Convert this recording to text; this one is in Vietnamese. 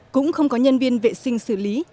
cũng không có nhân viên vệ sinh xử lý